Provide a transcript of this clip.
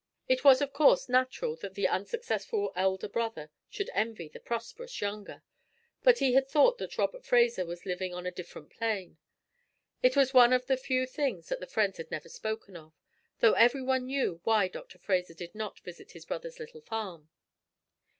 It was, of course, natural that the unsuccessful elder brother should envy the prosperous younger, but he had thought that Robert Fraser was living on a different plane. It was one of the few things that the friends had never spoken of, though every one knew why Dr. Fraser did not visit his brother's little farm.